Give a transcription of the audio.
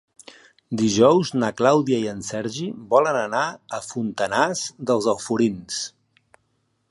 Dijous na Clàudia i en Sergi volen anar a Fontanars dels Alforins.